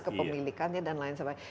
kepemilikannya dan lain sebagainya